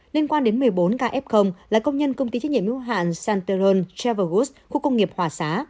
liên quan đến một mươi bốn ca f là công nhân công ty trách nhiệm hữu hạn santerone chevergus khu công nghiệp hòa xá